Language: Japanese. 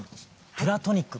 「プラトニック」